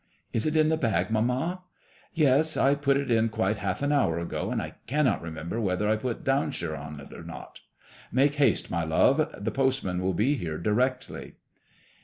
'* Is it in the bag, mamma ?*'YeSy I put it in quite half an hour agOy and I cannot remember whether I put Downshire or not. Make haste, my love ; the post man will be here directly."